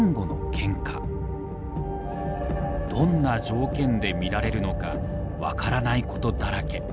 どんな条件で見られるのか分からないことだらけ。